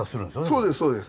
そうですそうです。